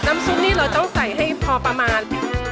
ซุปนี่เราต้องใส่ให้พอประมาณ